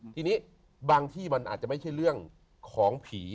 ทีนี้บางที่มันอาจจะไม่ใช่เรื่องของผี